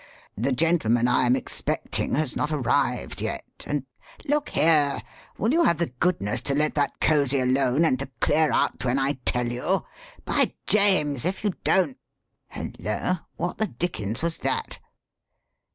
The gentleman I am expecting has not arrived yet, and look here! will you have the goodness to let that cosy alone and to clear out when I tell you? By James! if you don't Hullo! What the dickens was that?"